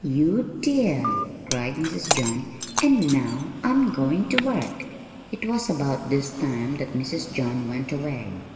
"You dear!" cried Mrs. John. "And now I'm going to work." It was at about this time that Mrs. John went away.